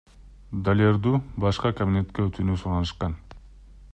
Далерду башка кабинетке өтүүнү суранышкан.